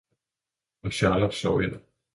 Og Charlot sov ind.